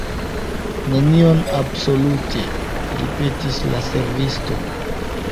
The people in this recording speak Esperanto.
"Nenion absolute!" ripetis la servisto.